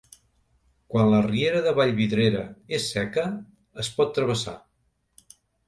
Quan la riera de Vallvidrera és seca, es pot travessar.